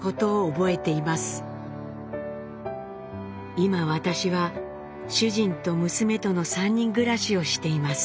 「今私は主人と娘との３人暮らしをしています。